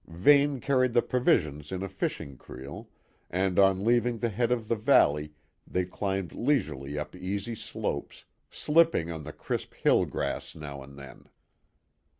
Vane carried the provisions in a fishing creel, and on leaving the head of the valley they climbed leisurely up easy slopes, slipping on the crisp hill grass now and then.